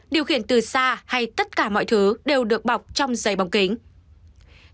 điều khiển từ xa hay tất cả mọi thứ đều được bọc trong giấy bóng kính